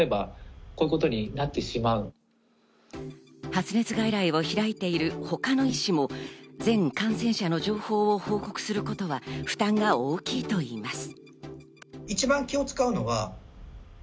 発熱外来を開いている他の医師も、全感染者の情報を報告することは負担が大きいといいます。